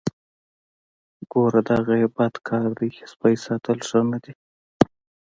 ګوره دغه یې بد کار دی سپی ساتل ښه نه دي.